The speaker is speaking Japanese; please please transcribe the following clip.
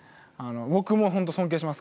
僕もほんと尊敬します